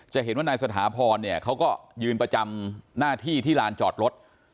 จะเห็นว่านายสถาพรเนี่ยเขาก็ยืนประจำหน้าที่ที่ลานจอดรถ